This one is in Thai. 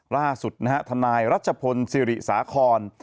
ล่าสุดนะฮะทนายรัชพลศิริสาคร